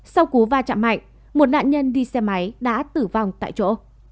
sau cú va chạm mạnh một nạn nhân đi xe máy đã tử vong tại chỗ